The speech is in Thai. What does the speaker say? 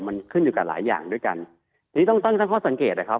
มันขึ้นอยู่กับหลายอย่างด้วยกันนี่ต้องตั้งค่าสังเกตครับ